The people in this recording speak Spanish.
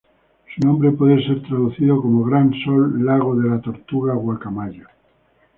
Su nombre puede ser traducido como "Gran Sol Lago de la Tortuga Guacamaya".